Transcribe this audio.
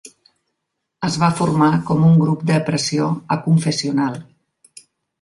Es va formar com un grup de pressió aconfessional.